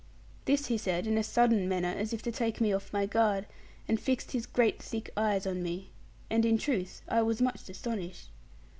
This he said in a sudden manner, as if to take me off my guard, and fixed his great thick eyes on me. And in truth I was much astonished.